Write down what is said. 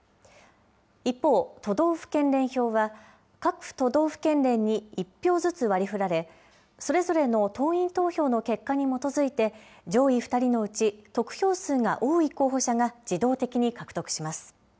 一方、都道府県連票は各都道府県連に１票ずつ割りふられ、それぞれの党員投票の結果に基づいて、上位２人のうち、得票数が多い候補者が自動的に獲得します。